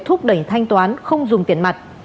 thúc đẩy thanh toán không dùng tiền mặt